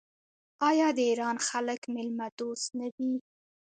آیا د ایران خلک میلمه دوست نه دي؟